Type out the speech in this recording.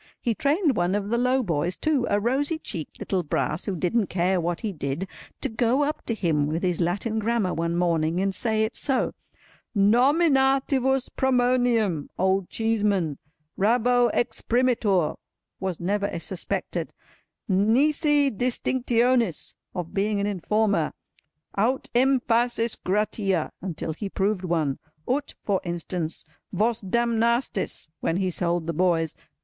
He trained one of the low boys, too, a rosy cheeked little Brass who didn't care what he did, to go up to him with his Latin Grammar one morning, and say it so: Nominativus pronominum—Old Cheeseman, raro exprimitur—was never suspected, nisi distinctionis—of being an informer, aut emphasis gratîa—until he proved one. Ut—for instance, Vos damnastis—when he sold the boys.